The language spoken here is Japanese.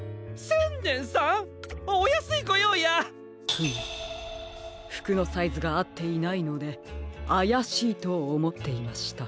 フムふくのサイズがあっていないのであやしいとおもっていました。